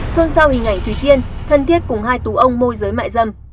xuân sao hình ảnh thùy tiên thân thiết cùng hai tú ông môi giới mại dâm